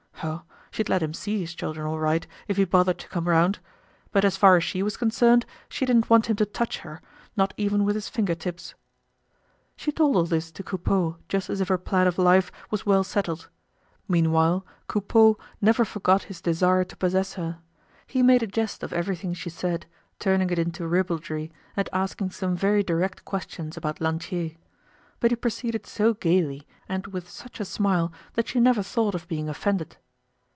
Oh, she'd let him see his children, all right, if he bothered to come round. But as far as she was concerned, she didn't want him to touch her, not even with his finger tips. She told all this to Coupeau just as if her plan of life was well settled. Meanwhile, Coupeau never forgot his desire to possess her. He made a jest of everything she said, turning it into ribaldry and asking some very direct questions about Lantier. But he proceeded so gaily and which such a smile that she never thought of being offended.